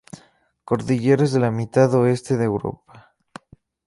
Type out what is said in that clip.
Cordilleras de la mitad oeste de Europa.